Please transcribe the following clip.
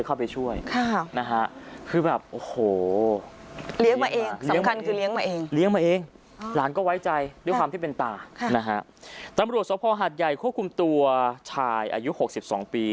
ครับนะฮะตำรวจสวทธิ์ภอร์หาดใหญ่ควบคุมตัวชายอายุหกสิบสองปี